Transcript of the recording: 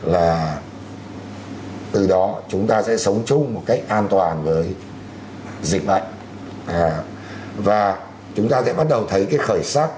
là từ đó chúng ta sẽ sống chung một cách an toàn với dịch bệnh và chúng ta sẽ bắt đầu thấy cái khởi sắc